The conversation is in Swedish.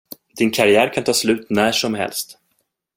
Din karriär kan ta slut när som helst.